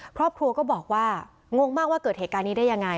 ครอบครัวก็บอกว่างงมากว่าเกิดเหตุการณ์นี้ได้ยังไง